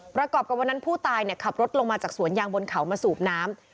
กับวันนั้นผู้ตายขับรถลงมาจากสวนยางบนเขามาสูบน้ำ